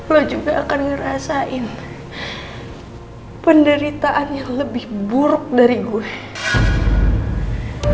lo juga akan ngerasain penderitaan yang lebih buruk dari gue